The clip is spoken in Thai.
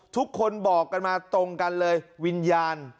ทุกคนบอกกันมาตรงกันเลยวิญญาณ